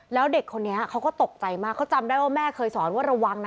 แล้วเด็กคนนี้เขาก็ตกใจมากเขาจำได้ว่าแม่เคยสอนว่าระวังนะ